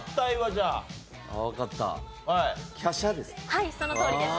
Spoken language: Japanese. はいそのとおりです。